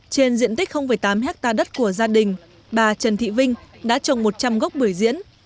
trên diện tích tám hectare đất của gia đình bà trần thị vinh đã trồng một trăm linh gốc bưởi diễn